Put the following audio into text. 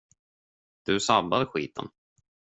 Du sabbade skiten.